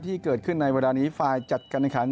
ที่เกิดขึ้นในเวลานี้ฝ่ายจัดการแข่งขัน